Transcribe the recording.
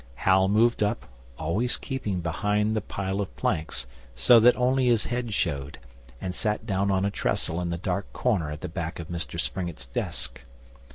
Hal moved up, always keeping behind the pile of planks so that only his head showed, and sat down on a trestle in the dark corner at the back of Mr Springett's desk.